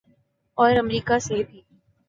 اور امریکہ سے بھی۔